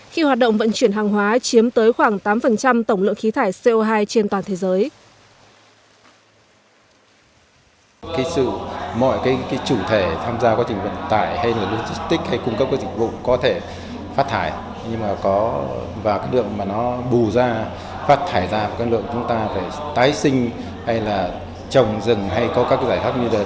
khi hoạt động vận chuyển hàng hóa chiếm tới khoảng tám tổng lượng khí thải co hai trên toàn thế giới